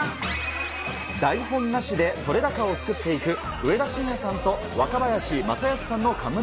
台本なしで撮れ高を作っていく、上田晋也さんと若林正恭さん